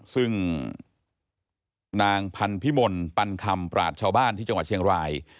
ซึ่งนางพันธิมลปันคำปราศชาวบ้านที่จังหวัดเชียงราย